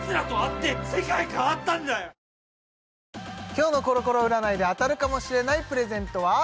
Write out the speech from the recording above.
今日のコロコロ占いで当たるかもしれないプレゼントは？